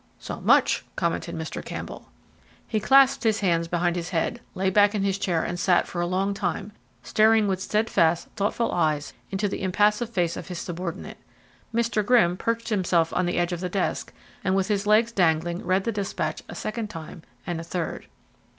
"So much!" commented Mr. Campbell. He clasped his hands behind his head, lay back in his chair and sat for a long time, staring with steadfast, thoughtful eyes into the impassive face of his subordinate. Mr. Grimm perched himself on the edge of the desk and with his legs dangling read the despatch a second time, and a third.